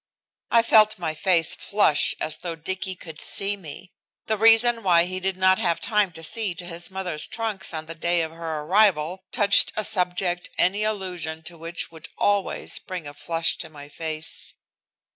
I felt my face flush as though Dicky could see me. The reason why he did not have time to see to his mother's trunks on the day of her arrival, touched a subject any allusion to which would always bring a flush to my face.